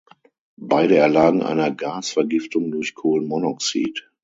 Beide erlagen einer Gasvergiftung durch Kohlenmonoxid.